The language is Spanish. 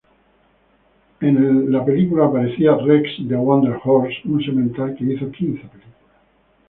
En el film aparecía "Rex the Wonder Horse", un semental que hizo quince películas.